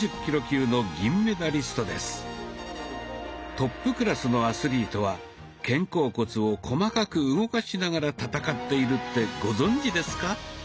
トップクラスのアスリートは肩甲骨を細かく動かしながら戦っているってご存じですか？